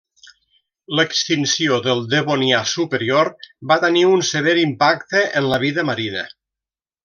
L'extinció del Devonià superior va tenir un sever impacte en la vida marina.